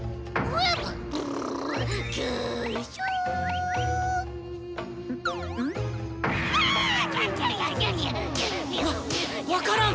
わ分からん。